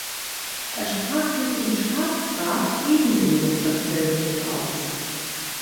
Er sprach sich im Staatsrat gegen den Russlandfeldzug aus.